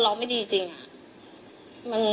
พี่ลองคิดดูสิที่พี่ไปลงกันที่ทุกคนพูด